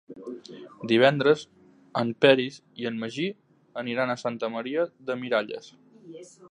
Divendres en Peris i en Magí aniran a Santa Maria de Miralles.